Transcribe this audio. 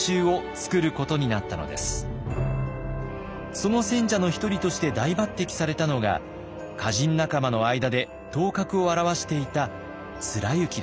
その選者の一人として大抜擢されたのが歌人仲間の間で頭角を現していた貫之でした。